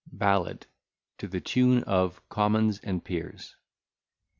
BALLAD To the tune of "Commons and Peers."